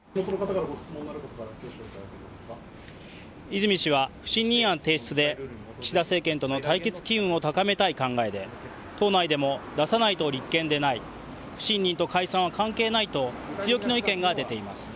泉氏は不信任案提出で岸田政権との対決機運を高めたい考えで党内でも出さないと立憲でない不信任と解散は関係ないと強気の意見が出ています。